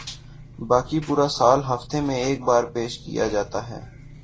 باقی پورا سال ہفتے میں ایک بار پیش کیا جاتا ہے